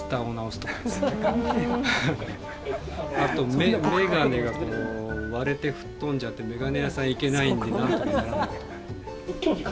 あと眼鏡が割れて吹っ飛んじゃって眼鏡屋さん行けないんでなんとかならないかっていう。